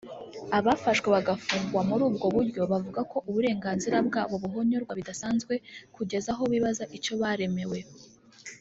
abafashwe bagafungwa muri ubwo buryo bavuga ko uburenganzira bwabo buhonyorwa bidasanzwe kugeza aho bibaza icyo baremewe